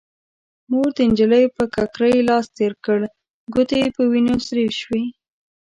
مور د نجلۍ پر ککرۍ لاس تير کړ، ګوتې يې په وينو سرې شوې.